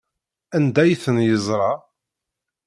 Anda ay ten-yeẓra?